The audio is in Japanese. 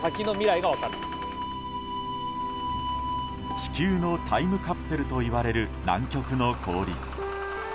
地球のタイムカプセルといわれる南極の氷。